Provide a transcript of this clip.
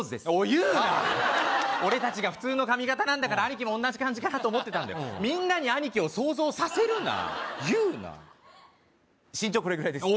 言うな俺達が普通の髪形なんだから兄貴も同じ感じかなと思ってたみんなに兄貴を想像させるな言うな身長これぐらいです